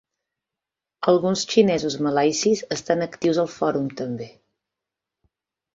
Alguns xinesos malaisis estan actius al fòrum, també.